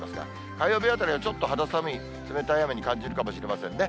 火曜日あたりはちょっと肌寒い冷たい雨に感じるかもしれませんね。